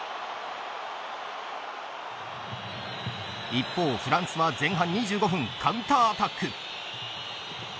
一方、フランスは前半２５分カウンターアタック。